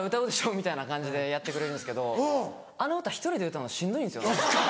みたいな感じでやってくれるんですけどあの歌１人で歌うのしんどいんですよね。